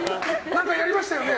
何かやりましたよね？